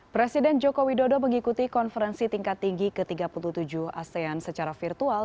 presiden joko widodo mengikuti konferensi tingkat tinggi ke tiga puluh tujuh asean secara virtual